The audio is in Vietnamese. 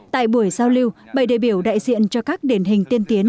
tại buổi giao lưu bảy đề biểu đại diện cho các điển hình tiên tiến